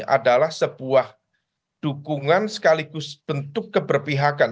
adalah sebuah dukungan sekaligus bentuk keberpihakan